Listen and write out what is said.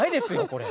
これ。